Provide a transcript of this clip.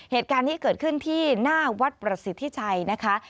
เหตุการณ์นี้เกิดขึ้นที่หน้าวัดประสิทธิชัยนะคะ